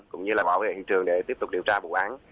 cũng như là bảo vệ hiện trường để tiếp tục điều tra vụ án